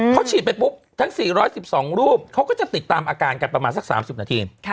เขาฉีดไปปุ๊บทั้ง๔๑๒รูปเขาก็จะติดตามอาการกันประมาณสัก๓๐นาที